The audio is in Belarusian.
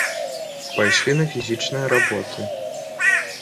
Пайшлі на фізічныя работы.